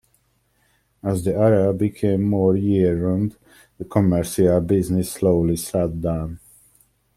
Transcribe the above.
As the area became more year-round the commercial business slowly shut down.